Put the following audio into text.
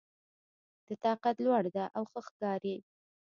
د تا قد لوړ ده او ښه ښکاري